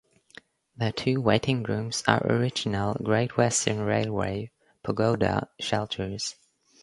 The two waiting rooms are original Great Western Railway "pagoda" shelters.